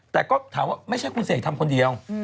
แต่ก็ถามว่าไม่ใช่คุณเสกทำคนเดียว